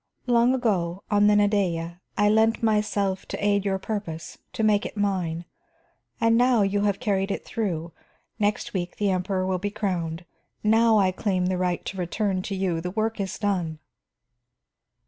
Long ago, on the Nadeja, I lent myself to aid your purpose, to make it mine. And now you have carried it through; next week the Emperor will be crowned. Now I claim the right to return to you; the work is done."